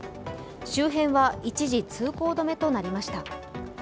周辺は一時、通行止めとなりました。